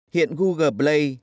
hiện google play